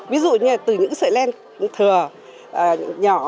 ví dụ như là từ những sợi len thừa nhỏ